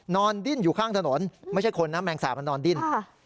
ดิ้นอยู่ข้างถนนไม่ใช่คนนะแมงสาบมันนอนดิ้น